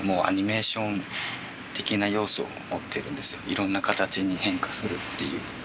いろんな形に変化するっていう。